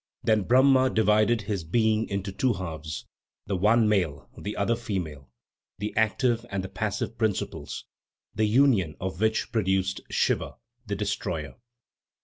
Then Brahma divided his being into two halves, the one male, the other female, the active and the passive principles, the union of which produced Siva, "the destroyer."